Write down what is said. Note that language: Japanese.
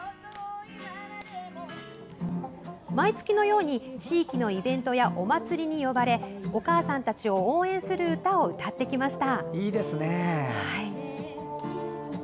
毎月のように地域のイベントやお祭りに呼ばれお母さんたちを応援する歌を歌ってきました。